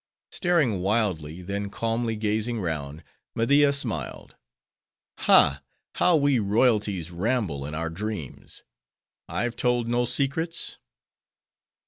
Staring wildly; then calmly gazing round, Media smiled. "Ha! how we royalties ramble in our dreams! I've told no secrets?"